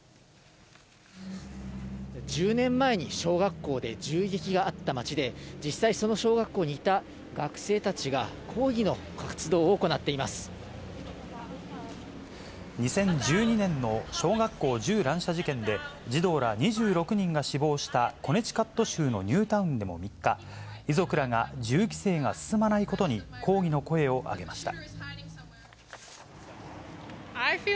１０年前に小学校で銃撃があった町で、実際、その小学校にいた学生たちが、抗議の活動を行っ２０１２年の小学校銃乱射事件で、児童ら２６人が死亡したコネチカット州のニュータウンでも３日、遺族らが銃規制が進まないことに、抗議の声を上げました。